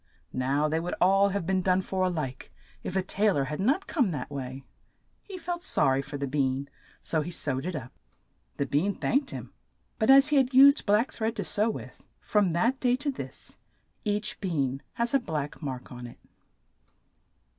Now they would all have been done for a like, if a tai lor had not come that way. He felt sor ry for the bean, so he sewed it up. The bean thanked him, but as he had used black thread to sew with, from that day to this each bean has a black mark on it.